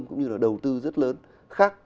cũng như là đầu tư rất lớn khác